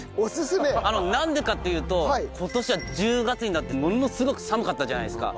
あのなんでかっていうと今年は１０月になってものすごく寒かったじゃないですか。